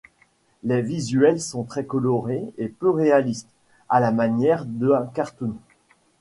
Les visuels sont très colorés et peu réalistes, à la manière d'un cartoon.